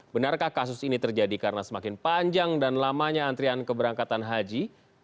benarkah kasus ini terjadi karena semakin panjang dan lamanya antrian keberangkatan haji